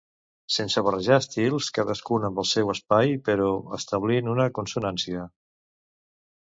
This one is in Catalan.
Sense barrejar estils, cadascun amb el seu espai però establint una consonància.